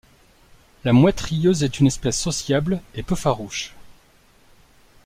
La Mouette rieuse est une espèce sociable et peu farouche.